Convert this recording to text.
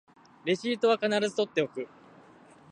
レシートは必ず取っておく